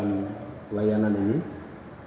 yang pertama adalah biro pemelahanan dan permohonan